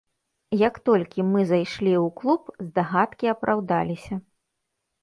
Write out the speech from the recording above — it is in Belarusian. Як толькі мы зайшлі ў клуб, здагадкі апраўдаліся.